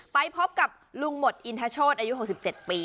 ไปพบกับลุงหมดอินทโชธอายุ๖๗ปี